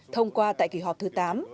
thông qua tại kỳ họp thứ tám